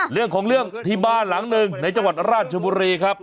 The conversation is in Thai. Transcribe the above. เรื่องของเรื่องที่บ้านหลังหนึ่งในจังหวัดราชบุรีครับ